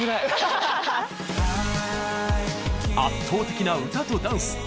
圧倒的な歌とダンス。